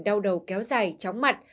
đau đầu kéo dài chóng mặt